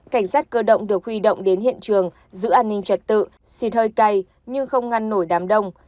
cảnh sát cơ động được huy động đến hiện trường giữ an ninh trật tự xịt hơi cay nhưng không ngăn nổi đám đông